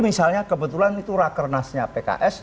misalnya kebetulan itu rakernasnya pks